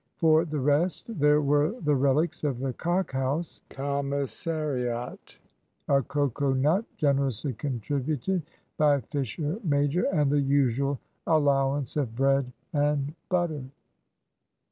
For the rest, there were the relics of the "Cock House" commissariat, a cocoa nut, generously contributed by Fisher major, and the usual allowance of bread and butter.